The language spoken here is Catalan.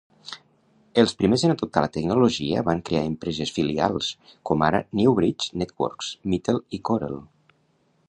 Els primers en adoptar la tecnologia van crear empreses filials com ara Newbridge Networks, Mitel i Corel.